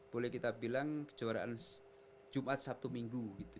boleh kita bilang kejuaraan jumat sabtu minggu